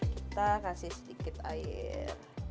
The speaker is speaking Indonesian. kita kasih sedikit air